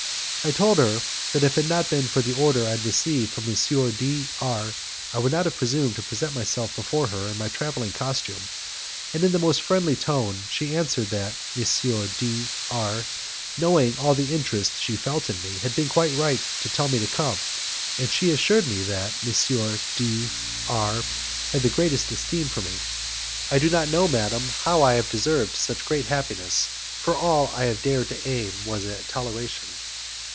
I told her that, if it had not been for the order I received from M. D R I would not have presumed to present myself before her in my travelling costume; and in the most friendly tone she answered that M. D R , knowing all the interest she felt in me, had been quite right to tell me to come, and she assured me that M. D R had the greatest esteem for me. "I do not know, madam, how I have deserved such great happiness, for all I dared aim at was toleration."